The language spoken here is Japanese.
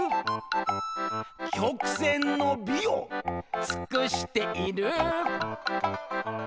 「曲線の美を尽している」